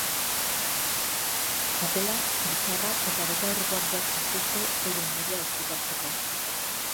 Txapela, bizarra eta betaurrekoak jartzen dituzte euren burua ezkutatzeko.